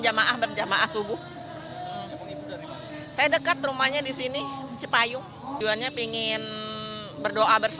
jamaah berjamaah subuh saya dekat rumahnya di sini cepayung juannya pingin berdoa bersama